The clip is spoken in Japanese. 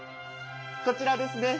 こちらですね。